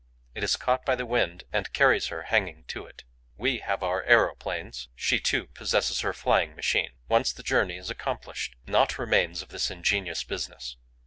It is caught by the wind and carries her hanging to it. We have our aeroplanes; she too possesses her flying machine. Once the journey is accomplished, naught remains of this ingenious business.